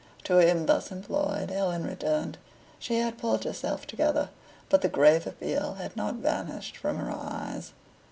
To him thus employed Helen returned. She had pulled herself together, but the grave appeal had not vanished from her eyes.